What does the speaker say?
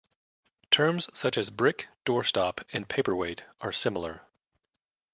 Terms such as brick, doorstop and paperweight are similar.